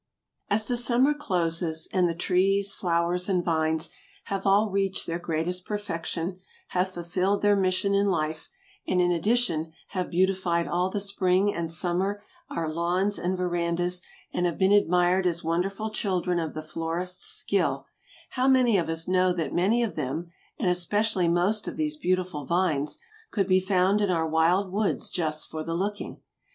As the summer closes and the trees, flowers and vines have all reached their greatest perfection, have fulfilled their mission in life, and in addition have beautified all the spring and summer our lawns and verandas, and have been admired as wonderful children of the florists' skill, how many of us know that many of them and especially most of these beautiful vines, could be found in our wild woods just for the looking?